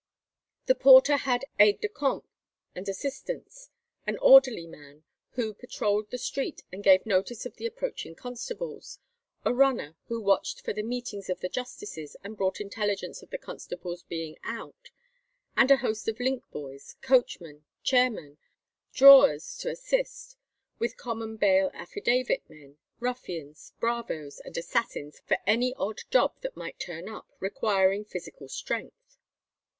The porter had aides de camp and assistants—an "orderly man," who patrolled the street and gave notice of the approaching constables; a "runner," who watched for the meetings of the justices and brought intelligence of the constables being out; and a host of link boys, coachmen, chair men, drawers to assist, with "common bail affidavit" men, ruffians, bravos, and assassins for any odd job that might turn up requiring physical strength.